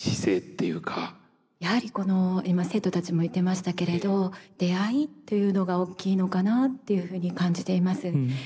やはり今生徒たちも言ってましたけれど出会いというのが大きいのかなっていうふうに感じています。